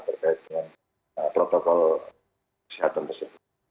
terkait dengan protokol kesehatan tersebut